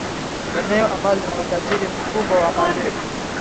eneo ambalo lina utajiri mkubwa wa madini